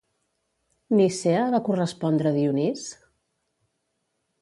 Nicea va correspondre Dionís?